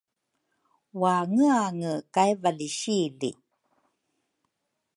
waangeange kay valisi li